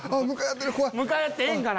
向かい合ってる！